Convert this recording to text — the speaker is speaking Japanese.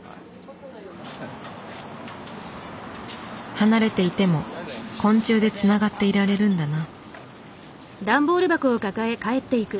離れていても昆虫でつながっていられるんだな。